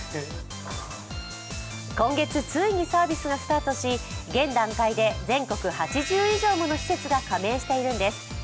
今月ついにサービスがスタートして現段階で全国８０以上もの施設が加盟しているんです。